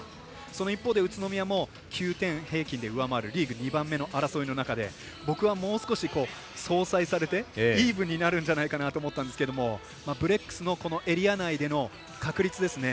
その一方、宇都宮もリーグ２番目の争いの中で僕はもう少し相殺されてイーブンになるんじゃないかと思ったんですけどブレックスのエリア内での確率ですね。